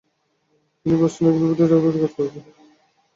তিনি Boston elevated রেলওয়েতেও কাজ করেছেন।